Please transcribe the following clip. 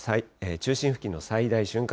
中心付近の最大瞬間